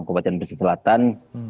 kabupaten pasir selatan